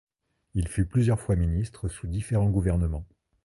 Il fut plusieurs fois ministre sous différents gouvernements.